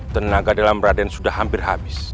tenaga dalam raden sudah hampir habis